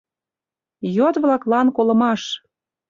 Йот-влаклан колымаш!..